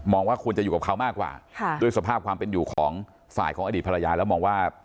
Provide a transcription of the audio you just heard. ว่าควรจะอยู่กับเขามากกว่าด้วยสภาพความเป็นอยู่ของฝ่ายของอดีตภรรยาแล้วมองว่า